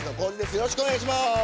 よろしくお願いします。